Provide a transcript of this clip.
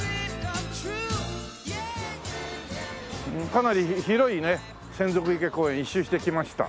かなり広いね洗足池公園一周してきました。